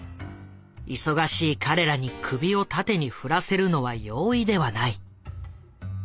忙しい彼らに首を縦に振らせるのは容易ではない。